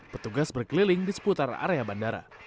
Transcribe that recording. petugas berkeliling di seputar area bandara